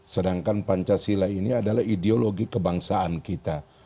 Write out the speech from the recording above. sedangkan pancasila ini adalah ideologi kebangsaan kita